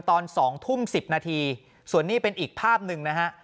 ตอน๒ทุ่ม๑๐นาทีส่วนนี้เป็นอีกภาพหนึ่งนะฮะ